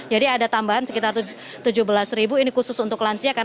jadi ada tambahan sekitar tujuh belas ini khusus untuk lansia